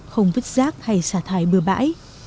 không vứt rác hay xả thải bừa bãi